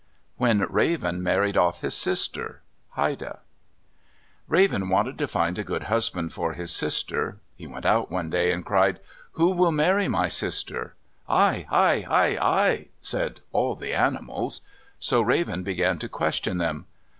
WHEN RAVEN MARRIED OFF HIS SISTER Haida Raven wanted to find a good husband for his sister. He went out one day and cried, "Who will marry my sister?" "I," "I," "I," "I," said all the animals. So Raven began to question them.